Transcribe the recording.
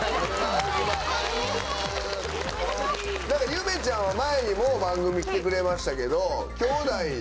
ゆめちゃんは前にも番組来てくれましたけど。